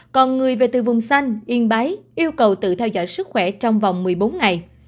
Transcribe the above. còn người về từ vùng xanh yên bái yêu cầu tự theo dõi sức khỏe trong vòng một mươi bốn ngày